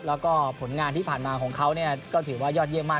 แล้วก็ผลงานที่ผ่านมาของเขาก็ถือว่ายอดเยี่ยมมาก